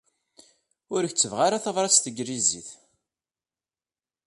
Ur kettbeɣ ara tabṛat s tanglizit.